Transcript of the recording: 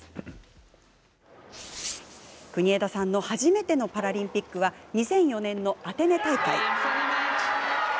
国枝さんの初めてのパラリンピックは２００４年のアテネ大会。